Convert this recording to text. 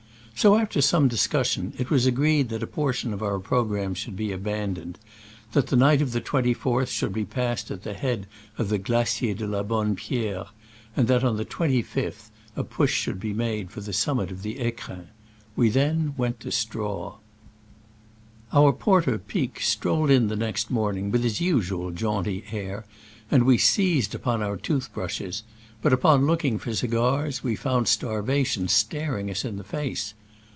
So, after some discus sion, it was agreed that a portion of our programme should be abandoned, that Digitized by Google 84 SCRAMBLES AMONGST THE ALPS IN i86o '69. the night of the 24th should be passed at the head of the Glacier de la Bonne Pierre, and that on the 25th a push should be made for the summit of the ficrins. We then went to straw. Our porter Pic strolled in next morn ing with his usual jaunty air, and we seized upon our tooth brushes, but upon looking for the cigars we found starva tion staring us in the face.